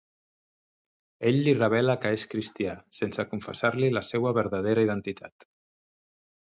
Ell li revela que és cristià, sense confessar-li la seua vertadera identitat.